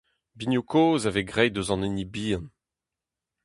Binioù-kozh a vez graet eus an hini bihan.